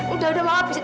udah udah mama pijat